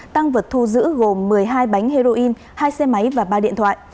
tăng vật thu giữ gồm một mươi hai bánh heroin hai xe máy và ba điện thoại